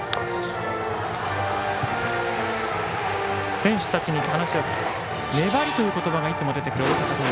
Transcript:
選手たちに話を聞くと粘りという言葉がいつも出てくる大阪桐蔭。